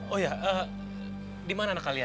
oh ya gimana anak kalian